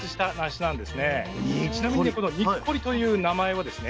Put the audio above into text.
ちなみにこの「にっこり」という名前はですね